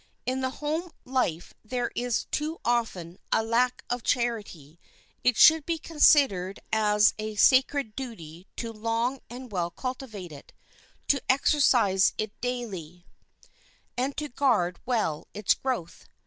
In the home life there is too often a lack of charity; it should be considered as a sacred duty to long and well cultivate it, to exercise it daily, and to guard well its growth.